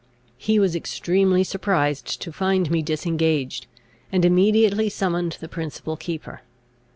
He was extremely surprised to find me disengaged, and immediately summoned the principal keeper.